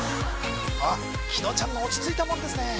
紀野ちゃんが落ち着いたもんですね